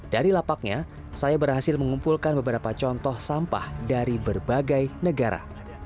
dari lapaknya saya berhasil mengumpulkan beberapa contoh sampah dari berbagai negara